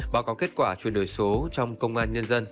báo cáo kết quả chuyển đổi số trong công an nhân dân